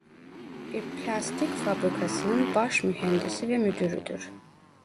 Bir plastik fabrikasının baş mühendisi ve müdürüdür.